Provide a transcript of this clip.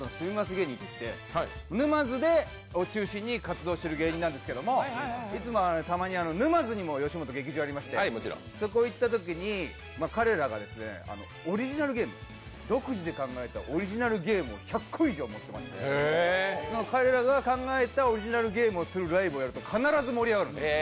芸人っていって沼津を中心に活動している芸人なんですけど、いつもたまに沼津にも吉本劇場ありまして、そこに行ったときに彼らが独自で考えたオリジナルゲームを１００個以上持っていましてその彼らが考えたオリジナルゲームをするライブをやると必ず盛り上がるんですよ。